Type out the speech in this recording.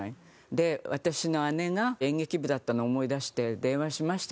で私の姉が演劇部だったのを思い出して電話しました。